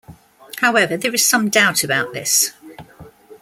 However, there is some doubt about this.